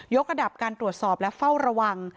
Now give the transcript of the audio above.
กระดับการตรวจสอบและเฝ้าระวัง